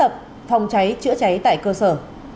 phòng cháy chữa cháy tại cơ sở